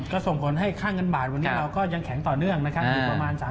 ก็ส่งผลให้ค่าเงินบาทวันนี้เราก็ยังแข็งต่อเนื่องนะครับอยู่ประมาณ